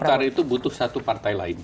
pertama golkar itu butuh satu partai lain